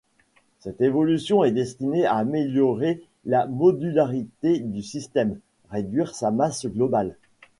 Cette évolution est destinée à améliorer la modularité du système, réduire sa masse globale.